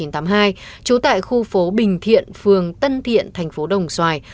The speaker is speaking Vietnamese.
trú tại khu phố bình thiện phường tân thiện thành phố đồng xoài